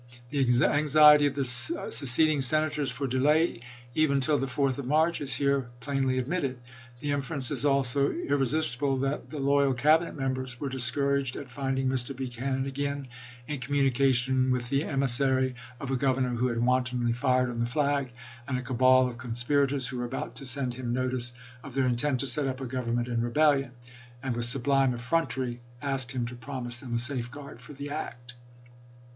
The anxiety of the seceding Senators for delay " even till the 4th of March " is here plainly admitted. The inference is also irre sistible that the loyal Cabinet members were discouraged at finding Mr. Buchanan again in communication with the emissary of a Governor who had wantonly fired on the flag and a cabal of conspirators who were about to send him notice of their intent to set up a government in rebellion, and with sublime effrontery asked him to promise them a safeguard for the act.